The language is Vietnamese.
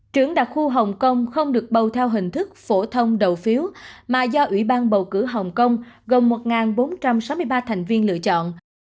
trưởng đặc khu hồng kông không được bầu theo hình thức phổ thông đầu phiếu mà do ủy ban bầu cử hồng kông gồm một bốn trăm sáu mươi ba thành viên lựa chọn